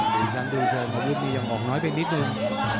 ดิฉันดูเชิงอาวุธนี่ยังออกน้อยไปนิดนึง